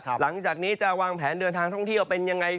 หลังจากนี้จะวางแผนเดินทางท่องเที่ยวเป็นยังไง